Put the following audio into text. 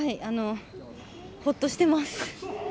ホッとしてます。